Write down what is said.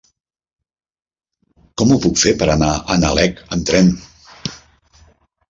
Com ho puc fer per anar a Nalec amb tren?